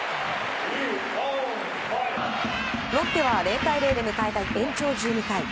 ロッテは０対０で迎えた延長１２回。